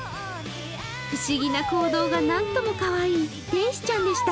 不思議な行動が何ともかわいい天使ちゃんでした。